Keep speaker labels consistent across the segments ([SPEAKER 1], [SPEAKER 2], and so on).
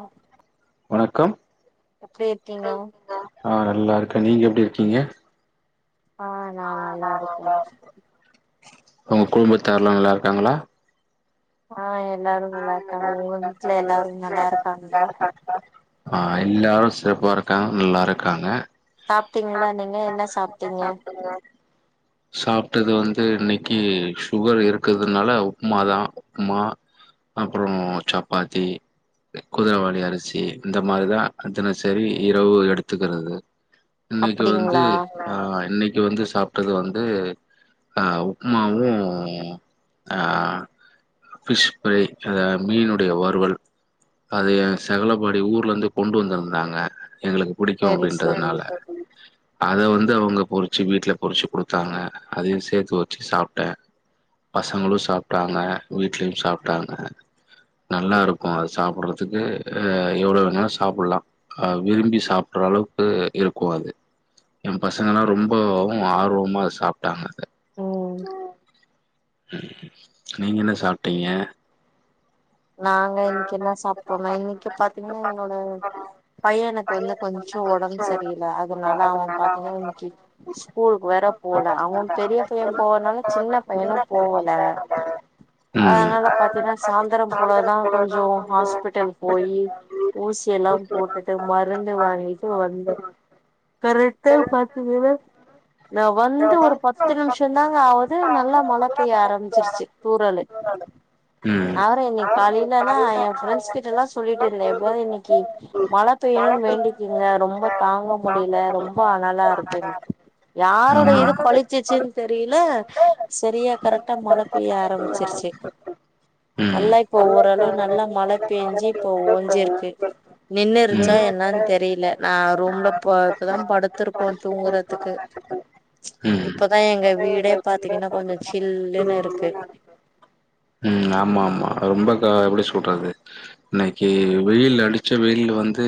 [SPEAKER 1] அப்
[SPEAKER 2] வணக்கம்
[SPEAKER 1] எப்புடி இருக்கீங்க
[SPEAKER 2] ஆ நல்லா இருக்கேன் நீங்க எப்டி இருக்கீங்க
[SPEAKER 1] ஆ நா நல்லா இருக்கே
[SPEAKER 2] உங்க குடும்பத்தார்ல்லா நல்லா இருக்காங்களா
[SPEAKER 1] ஆ எ எல்லாரு நல்லாருக்காங்க உங்க வீட்ல எல்லாரு நல்லாருக்காங்ளா
[SPEAKER 2] ஆ எல்லாரு சிறப்பா இருக்காங்க நல்லாருக்காங்க
[SPEAKER 1] சாப்ட்டீங்களா நீங்க என்ன சாப்ட்டீங்க
[SPEAKER 2] சாப்ட்டது வந்து இன்னைக்கு சுகர் இருக்குதுனால உப்மாதா உப்புமா அப்புற சப்பாத்தி குதிரவாலி அரிசி இந்த மாரிதா அதுன சரி இரவு எடுத்துக்கறது இன்னைக்கு வந்து
[SPEAKER 1] அப்டிங்களா
[SPEAKER 2] ஆ இன்னைக்கு வந்து சாப்ட்டது வந்து அ உப்மாவு ஆ ஃபிஷ் ச மீனுடைய வறுவல் அது எ சகலபாடி ஊர்ல இருந்து கொண்டு வந்திருந்தாங்க எங்களுக்கு புடிக்கு
[SPEAKER 1] செரி செரி
[SPEAKER 2] அப்டின்றதுனால அத வந்து அவங்க பொறிச்சு வீட்ல பொறிச்சு குடுத்தாங்க அதையு சேத்து வெச்சு சாப்ட்ட பசங்களு சாப்ட்டாங்க வீட்லயு சாப் ட்டாங்க நல்லாருக்கு அது சாப்பிடறதுக்கு அ எவ்ள வேணாலு சாப்படலா அ விரும்பி சாப்பட்ற அளவுக்கு இருக்கு அது எம் பசங்கலா ரொம்பவு ஆர்வமா அது சாப்ட்டாங்க அத
[SPEAKER 1] ம்
[SPEAKER 2] நீங்க என்ன சாப்ட்டிங்க
[SPEAKER 1] நாங்க இன்னைக்கு என்ன சாப்ட்டோனா இன்னைக்கு பாத்திங்னா என்னோட பையனுக்கு வந்து கொஞ்ச ஒடம்பு சரியில அதனால அவ பாத்திங்கனா இன்னைக்கு ஸ்கூலுக்கு வேற போல அவ பெரிய பைய போவாதுனால சின்ன பையனு போவல
[SPEAKER 2] ம்
[SPEAKER 1] அதனால பாத்தினா சாந்தரம் போனாதா கொஞ்ச ஹாஸ்பிட்டல் போயி ஊசி எல்லா போட்டுட்டு மருந்து வாங்கிட்டு வந்த கரெக்டா பாத்து வேற நா வந்து ஒரு பத்து நிமிஷ ந்தாங்க ஆவுது நல்லா மழ பெய்ய ஆரம்பிச்சிருச்சு தூறலு
[SPEAKER 2] ம்
[SPEAKER 1] பாரு இன்னைக் காலில நா எ ஃபிரெண்ட்ஸ் கிட்டலா சொல்லிட்டு இருந்தே எப்டியாது இன்னைக்கு மழ பெய்யணுன் வேண்டிக்கிங்க ரொம்ப தாங்க முடில ரொம்ப அனலா இருக்குன்னு யாரோட
[SPEAKER 2] ஆமா
[SPEAKER 1] இது பழிச்சுச்சுன் தெரில செரியா கரெக்டா மழ பெய்ய ஆரம்பிச்சிருச்சு
[SPEAKER 2] ம்
[SPEAKER 1] நல்லா இப்போ ஓரளவு நல்லா மழ பேஞ்சு இப்போ ஓஞ்சிருக்கு நின்னு
[SPEAKER 2] ம்
[SPEAKER 1] இருச்சா என்னன் தெரியல நா ரூம்ல போ இப்பதா படுத்திருக்கோ தூங்குறதுக்கு இப்பதா எங்க வீடே பாத்தீங்கன்னா கொஞ்சம் சில்லுன்னு இருக்கு
[SPEAKER 2] ம் ஆமா ஆமா ரொம்ப எப்படி சொல்றது இன்னைக்கு வெயில் அடிச்ச வெயில் வந்து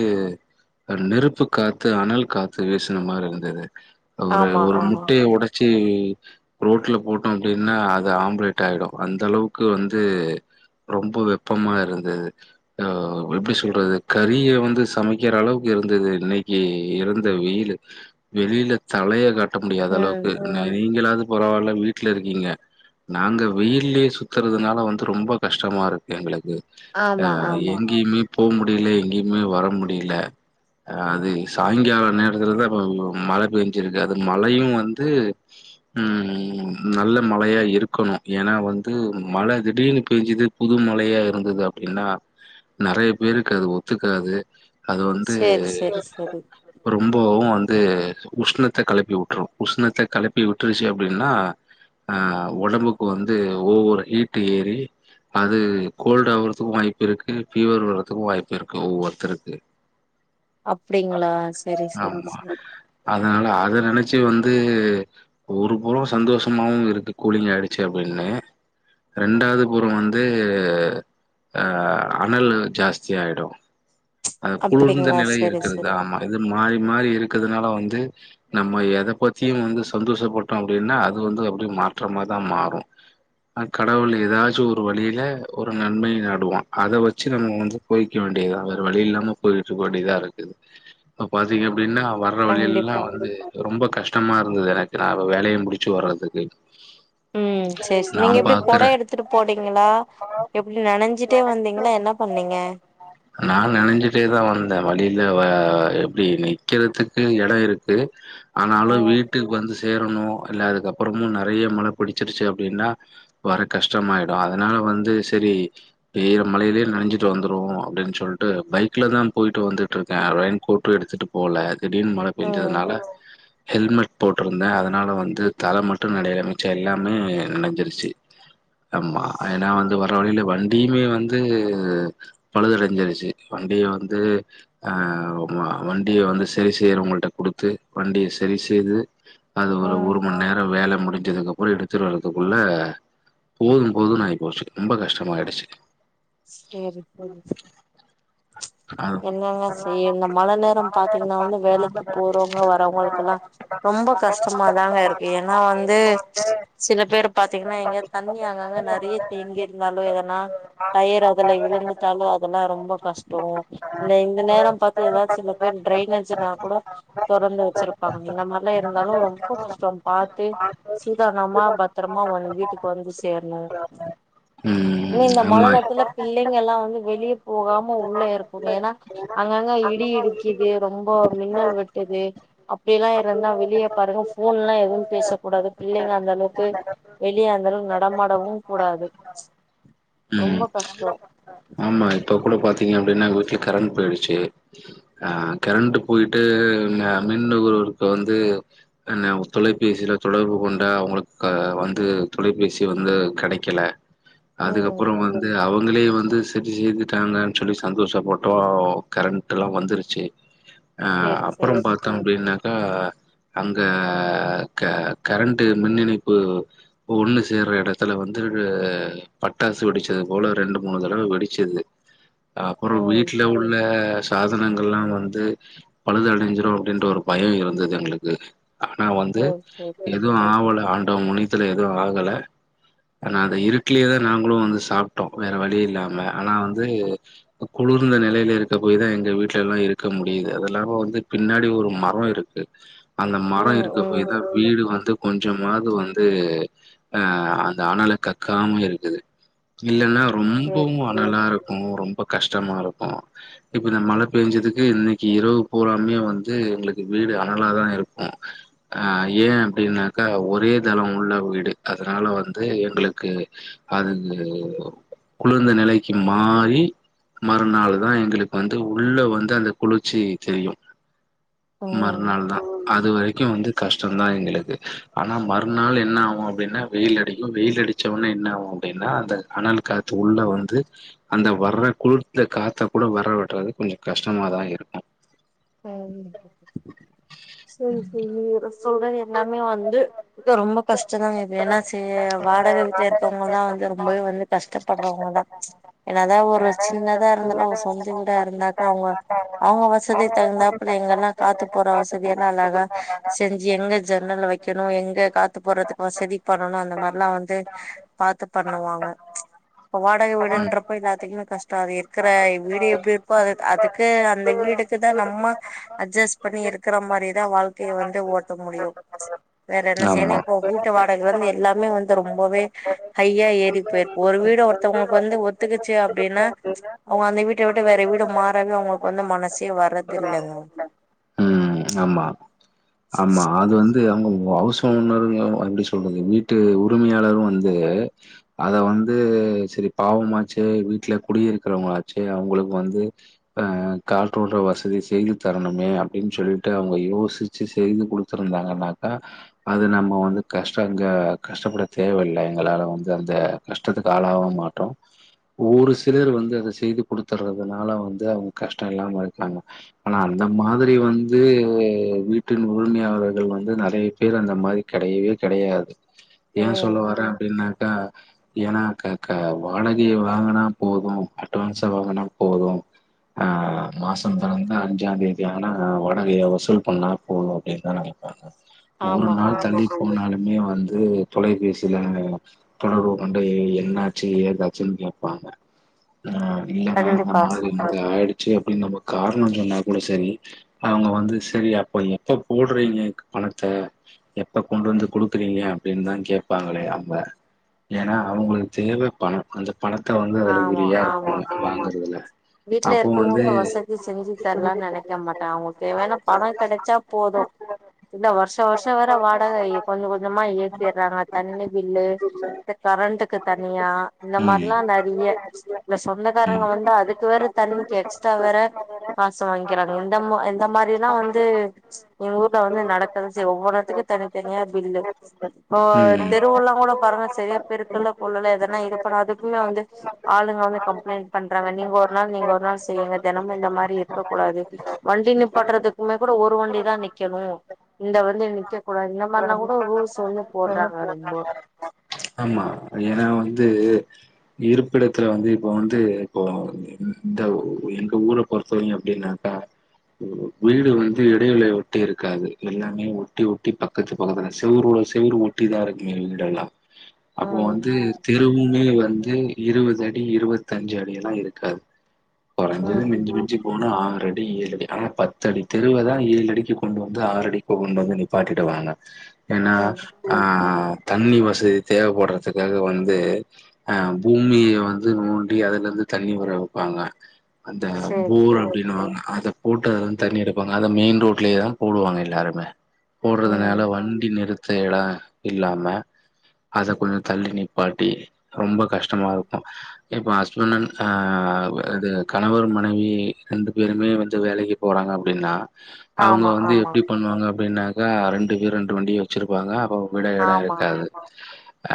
[SPEAKER 2] நெருப்பு காத்து அனல் காத்து வீசின மாரி இருந்தது ஒரு
[SPEAKER 1] ஆமா
[SPEAKER 2] ஒரு
[SPEAKER 1] ஆமா
[SPEAKER 2] முட்டைய ஒடைச்சி ரோட்ல போட்டோம் அப்படின்னா அது ஆம்லேட் ஆயிடு அந்த அளவுக்கு வந்து து ரொம்ப வெப்பமா இருந்தது ஹ எப்படி சொல்றது கறிய வந்து சமைக்கிற அளவுக்கு இருந்தது இன்னைக்கு இருந்த வெயிலு வெளியில தலைய கா ட்ட முடியாத
[SPEAKER 1] ம்
[SPEAKER 2] அளவுக்கு நீங்களாது பரவால்ல வீட்ல இருக்கீங்க நாங்க வெயில்லயே சுத்துறது னால வந்து ரொம்ப கஷ்டமா இருக்கு எங்களுக்கு
[SPEAKER 1] ஆமா
[SPEAKER 2] அஹ்
[SPEAKER 1] ஆமா
[SPEAKER 2] எங்கேயுமே போக முடியல எங்கேயுமே வர முடியல ஹ் அது சாயங்கால நேரத்துல தா மழ பேஞ்சிருக்கு அது மழையும் வந்து உம் நல்ல மழையா இருக்கணும் ஏன்னா வந்து மழ திடீர்னு பெஞ்சுது புது மழையா இருந்தது அப்படின்னா நறைய பேருக்கு அது ஒத்துக்காது அது வந்து
[SPEAKER 1] சேரி சேரி சேரி
[SPEAKER 2] ரொம்பவு வந் து உஷ்ணத்தை கெலப்பி விட்டுரு உஷ்ணத்த கெலப்பி விட்டுருச்சு அப்படின்னா ஹ ஒடம்புக்கு வந்து ஒவரா ஹீட்டு ஏறி அது கோல்டு ஆகுறதுக்கு வாய்ப்பு இருக்கு ஃபீவர் வர்றதுக்கு வாய்ப்பு இருக்கு ஒவ்வொருத்தருக்கு
[SPEAKER 1] அப்படிங்களா சரி சரி
[SPEAKER 2] ஆமா
[SPEAKER 1] சரி
[SPEAKER 2] அதனால அத நினைச்சு வந்து ஒருபுறம் சந்தோஷமாவு இருக்கு கூலிங் ஆயிடுச்சு அப்டின்னு ரெண்டாவது புற வந்து ஆஹ் அனல் ஜாஸ்தியாயிடு அது குளிர்ந்த
[SPEAKER 1] அப்டிங்களா
[SPEAKER 2] நிலை
[SPEAKER 1] சேரி
[SPEAKER 2] இருக்குரதா
[SPEAKER 1] சேரி
[SPEAKER 2] ஆமா இது மாறி மாறி இருக் இருக்கதுனால வந்து நம்ம எத பத்தியு வந்து சந்தோஷப்பட்டோ அப்படின்னா அது வந்து அப்படி மாற்றமாதா மாறும் ஹ் கடவுள் ஏதாச்சு ஒரு வழியில ஒரு நன்மை நாடுவான் அத வச்சு நம்ம வந்து போய்க்க வேண்டியதா வேற வழி இல்லாம போயிட்டு இருக்க வேண்டியதா இருக்குது இப்ப பாத்தீங்க அப்படின்னா வர்ற வழியெல்லா
[SPEAKER 1] கண்டிப்பா
[SPEAKER 2] வந்து ரொம்ப கஷ் டமா இருந்தது எனக்கு நா வேலைய முடிச்சு வர்றதுக்கு
[SPEAKER 1] உம் சேரி ச நீங்க
[SPEAKER 2] நான்
[SPEAKER 1] எப்பிடி
[SPEAKER 2] பாக்குற
[SPEAKER 1] கொடை எடுத்துட்டு போனீங்களா எப்பிடி நனைஞ்சிட்டே வந்தீங்களா என்ன பண்ணீங்க
[SPEAKER 2] நான் ஆஹ் எப்டி நிக்கிறதுக்கு எட இருக்கு ஆனாலு
[SPEAKER 1] ம்
[SPEAKER 2] வீட்டுக்கு வந்து சே சேரணு இல்ல அதுக்கப்புறமு நெறைய மழை புடிச்சிடுச்சு அப்டின்னா வர கஷ்டமாயிடு அதனால வந்து செரி பெய்யிற மழையிலயே நனைஞ்சிட்டு வந்துருவோ அப்டின்னு சொல்ட்டு பைக்ல தா போயிட்டு வந்துட்டு இருக்கே ரெயின் கோட்டு எடுத்துட்டு போகல திடீர்னு மழை
[SPEAKER 1] ம்
[SPEAKER 2] பெஞ்சதுனால ஹெல்மெட் போட்டிருந்தே அதனால வந்து தல மட்டும் நனையல மிச்ச எல்லாமே நனஞ்சிரு ச்சு ஆமா ஏன்னா வந்து வர வழியில வண்டியுமே வந்து பழுதடைஞ்சிருச்சு வண்டிய வந்து ஆஹ் வண்டிய வந்து சரி செய்யறவங்கள்ட குடுத்து வண்டிய சரி செய்து அது ஒரு
[SPEAKER 1] ம்
[SPEAKER 2] ஒரு மண் நேர வேலை முடி துக்கு அப்புற எடுத்துட்டு வரதுக்குள்ள போதும் போதுன்னு ஆயிப்போச்சு ரொம்ப கஷ்டமாயிடுச்சு
[SPEAKER 1] சேரி சேரி
[SPEAKER 2] அது
[SPEAKER 1] என்னங்க செய்ய இந்த மழை நேரம் பாத்தீங்கன்னா வந்து வேலைக்கு போறவங்க வர்வங்களுக்கு எல்லா ரொம்ப கஷ்டமாதாங்க இருக்கு ஏன்னா வந்து சில பேரு பாத்தீங்கன்னா எங்க தண்ணி அங்கங்க நெறைய தேங்கி இருந்தாலும் எதன்னா பேர் அதுல விழுந்துட்டாலும் அதெல்லாம் ரொம்ப கஷ்டம் இந்த இந்த நேரம் பாத்து ஏதாச்சு டிரைனேஜ்னா கூட தொறந்து வச்சிருப்பாங்க இந்த மாரி எல்லா இருந்தாலும் ரொம்ப கஷ்டம் பாத்து சூதானமா பத்திரமா வீட்டுக்கு வந்து சேரனும்
[SPEAKER 2] ம்
[SPEAKER 1] இந்த மழ
[SPEAKER 2] ஆமா
[SPEAKER 1] நேரத்துல பிள்ளைங்க எல்லா வந்து வெளியே போகாம உள்ள இருக்குங்க ஏன்னா அங்கங்க இடி இடிக்கிது ரொம்ப மின்னல் வெட்டுது அப்டி எல்லா இருந்தா வெளியே பாருங்க போன் எல்லா எதுவும் பேசக்க கூடாது பிள்ளைங்க அந்த அளவுக்கு வெளியே அந்த அளவுக்கு நடமாடவும் கூடாது ரொம்ப கஷ்டோ
[SPEAKER 2] ஆமா இப்ப கூட பாத் பீங்க அப்டின்னாங்க வீட்டுல கரண்ட் போயிடுச்சு அஹ கரண்ட் போயிட்டு மின்நுகர்வோர்க்கு வந்து தொலைபேசியில தொடர்பு கொண்ட அவங்களுக்கு வந்து தொலைபேசி வந்து கேடைக்கல
[SPEAKER 1] ம்
[SPEAKER 2] அதுக்கப்புறம் வந்து அவுங்களே வந்து சரி செய்துட்டாங்க சொல்லி சந்தோஷ பட்டோம் கரண்ட் எல்லாம் வந்துருச்சு அஹ்
[SPEAKER 1] சேரி
[SPEAKER 2] அப்புறம்
[SPEAKER 1] சேரி
[SPEAKER 2] பாத்தோம் அப்பிடின்னா க்க அங்க க கரண்ட் மின் இணைப்பு ஒண்ணு சேற இடத்துல வந்து பட்டாசு வெடிச்சது போல ரெண்டு மூணு தடவை வெடிச்சது அப்புறம்
[SPEAKER 1] ம்
[SPEAKER 2] வீட்டு்ல உள்ள சாதனங்கள் எல்லா வந்து பழுதுடைஞ்சிடும் அப்பிடின்ற ஒரு பயம் இருந்தது எங்களுக்கு ஆனா வந்து
[SPEAKER 1] சேரி சேரி சேரி
[SPEAKER 2] எதுவும் ஆவல ஆன முனித்துல ஏதுவும் ஆகல ஆனா அதை இருக்கலயேதான் நாங்களும் வந்து சாப்பிட்டோம் வேற வழி இல்லாம ஆனா வந்து குளிர்ந்த நிலையில இருக்க போயதான் எங்க வீட்டுல எல்லா இருக்க முடியுது அது இல்லாம வந்து பின்னாடி ஒரு மரம் இருக்கு அந்த மரம்
[SPEAKER 1] ம்
[SPEAKER 2] இருக்க
[SPEAKER 1] ம்
[SPEAKER 2] போய் தான் வீடு வந்து கொஞ்சமாவது வந்து ஆஹ அந்த அனல கக்காம இருக்குது இல்லைன்னா
[SPEAKER 1] சேரி
[SPEAKER 2] ரொம்பவும்
[SPEAKER 1] சேரி
[SPEAKER 2] அனலா இருக்கும் ரொம்ப கஷ்டமா இருக்கும் இப்ப இந்த மழை பெஞ்சதுக்கு இன்னைக்கு இரவு போறாமே வந்து எங்களுக்கு வீடு அனலாதான் இருக்கும் ஆஹ் ஏன் அப்பிடின்னாக்கா ஒரே தளம் உள்ள வீடு அதனால வந்து எங்களுக்கு அது குளிந்த நிலைக்கு மாறி மறுநாள்தான் எங்களுக்கு வந்து உள்ள வந்து அந்த குளிர்ச்சி தெரியும் மறுநாள்
[SPEAKER 1] ம்
[SPEAKER 2] தான் அது வரைக்கும் வந்து கஷ்டோ தான் எங்களுக்கு ஆனா மறுநாள் என்ன ஆகும் அப்டின்னா வெயில் அடிக்கு வெயில் அடிச்சவோன்னே என்ன ஆகும் அப்படின்னா அந்த அனல் காத்து உள்ள வந்து அந்த வர்ற குளுர்த்த காத்த கூட வர விடாது கொஞ்சோ கஷ்டமா தான் இருக்கும்
[SPEAKER 1] உம் சேரி செரி நா சொல்றன் எல்லாமே வந்து ரொம்ப கஷ்டோ தாங்க இப்ப ஏன்னா ச வாடக வீட்டுல இருக்கவங்க எல்லாம் வந்து ரொம்பவே வந்து கஷ்டப்படுறவங்க தான் என்ன தான் ஒரு சின்னதா இருந்தாலும் அவ சொந்த விடா இருந்தாக்க அவுங்க அவுங்க வசதி தகுந்தாப்புல எங்கெல்லாம் காத்து போற வசதி எல்லாம் அழகா செஞ்சு எங்க ஜன்னல் வைக்கணும் எங்க காத்து போடுறதுக்கு வசதி பண்ணணும் அந்த மாரி எல்லாம் வந்து பாத்து பண்ணுவாங்க இப்ப வாடகை வீடுன்றப்ப இது அத்தனை இன்னொ கஷ்டோ அது இருக்கிற வீடு எப்டி இருக்கோ அது அதுக்கு அந்த வீடுக்கு நம்ம அட்ஜஸ் பண்ணி இருக்கிற மாதிரிதான் வாழ்க்கையை வந்து ஓட்ட முடியும் வேற என்ன செய்யனா
[SPEAKER 2] ஆமா
[SPEAKER 1] இப்ப வீட்டு வாடகை வந்து எல்லாமே வந்து ரொம்பவே ஹையா ஏறி போயிருக்கு ஒரு வீடு ஒருத்தவங்களுக்கு வந்து ஒத்துக்கச்சு அப்டின்னா அவுங்க அந்த வீட்ட விட்டு வேற வீடு மாறவே அவங்களுக்கு வந்து மனசு
[SPEAKER 2] உம் ஆமா ஆமா அது வந்து அவுங்க ஹவுஸ் ஓனருங்க எப்படி சொல்றது வீட்டு உரிமையாளரு வந்து அத வந்து செரி பாவமாச்சு வீட் டுல குடியிருக்கிறவங்களாச்சே அவங்களுக்கு வந்து அஹ் காற்றோட்ட வசதி செய்து தரணுமே அப்படின்னு சொல்லிட்டு அவங்க யோசிச்சு செய்து கொடுத்துருந்தாங்கனாக்கா அது நம்ம வந்து கஷ்ட அங்க கஷ்டப்பட தேவயில்ல எங்களால வந்து அந்த கஷ்டத்துக்கு ஆளாவு மாட்டோ ஒரு சிலர் வந்து அத செய்து கொடுத்துடுறதுனால வந்து அவங்க கஷ்டம் இல்லாம இருக்காங்க ஆனா அந்த மாதிரி வந்து வீட்டின் உரிமையாளர்கள் வந்து நெறைய பேர் அந்த மாரி கெடையவே கெடையாது ஏ
[SPEAKER 1] ம்
[SPEAKER 2] சொல்ல வரேன் அப்டின்னா க ஏனா க கா வாடகைய வந் வாங்கனா போது அட்வான்ஸாக வாங்கனா போது அ மாசோ தொறந்தா அஞ்சா தேதியான வாடகைய வசூல் பண்ணா போது அப்படின்னு தா நெனைப்பாங்க ஒரு
[SPEAKER 1] ஆமா
[SPEAKER 2] நாள்
[SPEAKER 1] ஆமா
[SPEAKER 2] தள்ளி போனாலு மே வந்து தொலைபேசியில தொடர்பு கொண்டு எண்ணாச்சு எதாச்சுன்னு கேப் பாங்க ஆஹ் இல்லங்க இந்த
[SPEAKER 1] கண்டிப்பா
[SPEAKER 2] மாரி இப்டி ஆயிடு ச்சு அப்படின்னு நம்ம காரணோ சொன்னா கூட சேரி அவங்க வந்து செரி அப்ப எப்ப போடுறீங்க பணத்த எப்ப கொண்டு வந்து குடுக்குறீங்க அப்படின் தா கேட்பாங்களே அவங்க ஏனா அவங்களுக்கு தேவ பணோ அந்த பணத்த வந்து அதுல
[SPEAKER 1] ஆமா
[SPEAKER 2] குரியா
[SPEAKER 1] ஆமா
[SPEAKER 2] இருப்பாங்க வாங்குறதுல
[SPEAKER 1] வீட்ல இருக்கிறவங்களுக்கு வசதி செஞ்சு தரலான் நெனைக்க மாட்டா அவங்களுக்கு தேவையான பணோ கிடைச்சா போது இந்த வருஷோ வருஷோ வேற வாடக ஏ கொஞ்ச கொஞ்சமா ஏத்திடுறாங்க தண்ணி பில்லு க கரண்ட்டுக்கு தனியா இந்த
[SPEAKER 2] ம்
[SPEAKER 1] மாரிலா றிய இந்த
[SPEAKER 2] ம்
[SPEAKER 1] சொந்தக்காரங்க வந்தா அதுக் வேற தண்ணிக்கு எக்ஸ்ட்ரா வேற காசு வாங்கிக்கிறாங்க இந்தமா இந்த மாரில்லா வந்து எங்க ஊர்ல வந்து நடக்கதா செய்யு ஒவ்வொ எடத்துக்கு தனித்தனியா பில்லு இப்போ
[SPEAKER 2] ம்
[SPEAKER 1] தெருவுல்லா கூட பாருங்க செரிய பெருக்கல்ல கொல்லல எதனா இது பண்ணு அத பண் ஆளுங்க வந்து கம்ப்ளைண்ட் பண்றாங்க நீங்க ஒ நீங்க ஒரு நாள் செய்யுங்க தெனமு இந்த மாரி இருக்க கூடாது வண்டி நிப்பாடுறதுக்குமே கூட ஒரு வண்டிதா நிக்கணு இந்த வண்டி நிக்க கூடாது இந்த மாரிலா கூட ரூல்ஸ் வந்து போடுறாங்க ரொம்ப
[SPEAKER 2] ஆமா ஏன்னா [unintelligible] இருப்பிடத்துல வந்து இப்போ வந்து இப்போ இந்த இந்த ஊர பொறுத்தவரைக்கு எப்படின்னாக்க வீடு வந்து இடைவெளி உட்டு இருக்காது எல்லாமே ஒட்டி ஒட்டி பக்கத்து பக்கத்துல செவரோட செவுறு ஒட்டிதா இருக்குங்க வீடெல்லா அப்போ
[SPEAKER 1] ம்
[SPEAKER 2] வந்து தெருவுமே வந் து இருவது அடி இருவத்தஞ்சு அடி எல்லா இருக்காது கொறஞ்சது மிஞ்சி
[SPEAKER 1] ம்
[SPEAKER 2] மிஞ்சி போனா ஆற டி ஏழு அடி ஆனா பத்து அடி தெருவ தா ஏழு அடிக்கு கொண்டு வந்து ஆறு அடிக்கு கொண்டு வந்து நிப்பாட்டிடுவாங்க ஏனா
[SPEAKER 1] ம்
[SPEAKER 2] ஆஹ் தண்ணி வ சதி தேவப்படுறதுக்காக வந்து அஹ் பூமிய வந்து நோண்டி அதுலருந்து தண்ணி வர வப்பாங்க அந்த
[SPEAKER 1] சேரி
[SPEAKER 2] போர்
[SPEAKER 1] சேரி
[SPEAKER 2] அப்டின்னுவாங்க அத போட்டு அதுலருந்து தண்ணி எடுப்பாங்க அத மெயின் ரோட்லேயே தா போடுவாங்க எல்லாருமே போடறதுனால
[SPEAKER 1] ம்
[SPEAKER 2] வண்டி நிறுத் எட இல்லாம அத கொஞ்ச தள்ளி நிப்பாட்டி ரொம்ப கஷ்டமா இருக்கு இப்போ ஹஸ்பண்ட அன் ஆ இது கணவர் மனைவி ரெண்டு பேருமே வந்து வேலைக்கு போறாங்க அப்டின்னா அவங்க
[SPEAKER 1] ஆமா
[SPEAKER 2] வந்து
[SPEAKER 1] ஆமா
[SPEAKER 2] எப்டி பண்வாங்க அப்படின்னா ஆ ரெண்டு பேர் ரெண்டு வண்டி வச்சிருப்பாங்க போக கூட எட
[SPEAKER 1] ஆமா
[SPEAKER 2] இருக்காது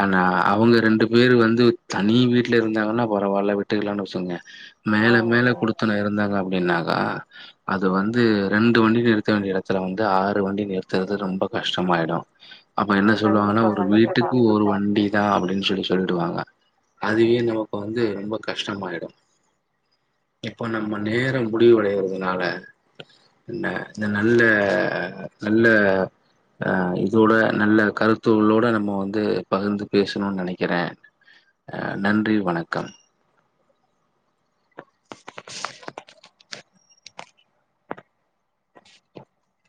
[SPEAKER 2] ஆனா அவங்க ரெண்டு பேரு வந்து தனி வீட்ல இருந்தாங்கனா பரவால்ல விட்டுக்கலான்னு சொன்னே மேல
[SPEAKER 1] ம்
[SPEAKER 2] மேல
[SPEAKER 1] ம்
[SPEAKER 2] குடுத்தன இருந்தாங்க அப்டின்னாக்கா அது வந்து ரெண்டு வண்டி நிறுத்த வேண்டிய எடத்துல வந்து ஆறு வண்டி நிறுத்துறது ரொம்ப கஷ்டமாயிடு அப்ப என்ன சொல்லுவாங்கனா
[SPEAKER 1] கண்டிப்பா
[SPEAKER 2] ஒரு
[SPEAKER 1] கண்டிப்பா
[SPEAKER 2] வீட்டுக்கு ஒரு வண்டி தா அப்டின்னு சொல்லி சொ ல்டுவாங்க அதுவே நமக்கு வந்து ரொம்ப கஷ்டமாயிடு இப்போ நம்ம நேர முடிவடையறதுனால இந்த இந்த நல்ல நல்ல அ இதோட நல்ல கருத்துளோட நம்ம வந்து பகிர்ந்து பேசுனோ நெனை க்கற அ நன்றி வணக்கம்